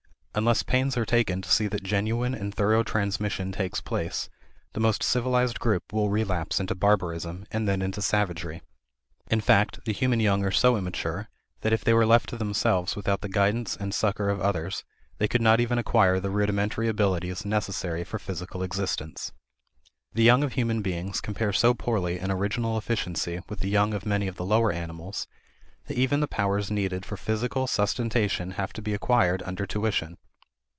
Unless pains are taken to see that genuine and thorough transmission takes place, the most civilized group will relapse into barbarism and then into savagery. In fact, the human young are so immature that if they were left to themselves without the guidance and succor of others, they could not acquire the rudimentary abilities necessary for physical existence. The young of human beings compare so poorly in original efficiency with the young of many of the lower animals, that even the powers needed for physical sustentation have to be acquired under tuition.